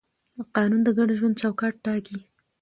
قانون د ګډ ژوند چوکاټ ټاکي.